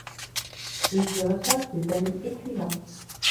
Ils y reçoivent des amis écrivains.